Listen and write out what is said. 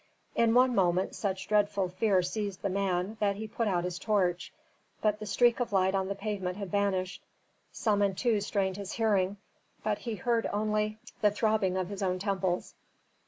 In one moment such dreadful fear seized the man that he put out his torch. But the streak of light on the pavement had vanished. Samentu strained his hearing, but he heard only the throbbing of his own temples.